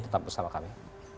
tetap bersama kami